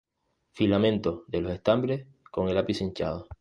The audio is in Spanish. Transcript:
Filamentos de los estambres con el ápice hinchado.